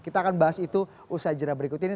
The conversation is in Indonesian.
kita akan bahas itu usai jenah berikut ini